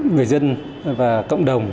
người dân và cộng đồng